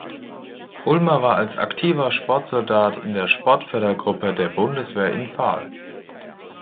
Ulmer war als Aktiver Sportsoldat in der Sportfördergruppe der Bundeswehr in Fahl.